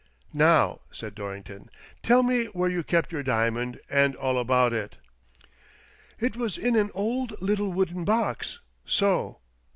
"Now," said Dorrington, "tell me where you kept your diamond, and all about it." "It was in an old little wooden box — so."